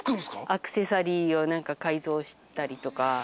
アクセサリーを改造したりとか。